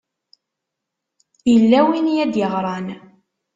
Yella win ay d-yeɣran.